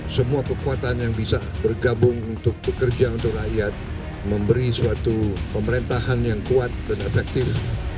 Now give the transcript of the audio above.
semua kekuatan yang bisa bergabung untuk bekerja untuk rakyat memberi suatu pemerintahan yang kuat dan efektif